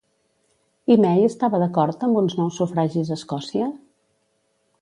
I May estava d'acord amb uns nous sufragis a Escòcia?